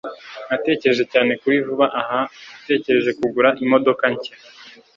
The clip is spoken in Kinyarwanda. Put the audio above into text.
Natekereje cyane kuri vuba aha. Natekereje kugura imodoka nshya.